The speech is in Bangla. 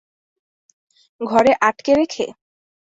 ঘরে আঁটকে রেখে?